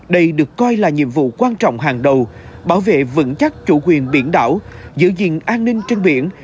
đây được coi là nhiệm vụ quan trọng hàng đầu bảo vệ vững chắc chủ quyền biển đảo giữ gìn an ninh trên biển